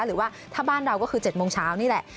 หรือว่าถ้าบ้านเราก็คือ๗โมงเช้านี่แหละ